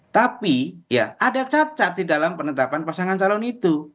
tapi ya ada cacat di dalam penetapan pasangan calon itu